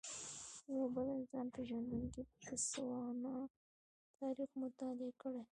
یو بل انسان پېژندونکی د تسوانا تاریخ مطالعه کړی.